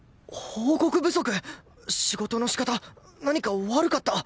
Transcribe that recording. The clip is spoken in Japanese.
仕事の仕方何か悪かった？